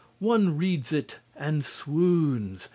One reads it and swoons.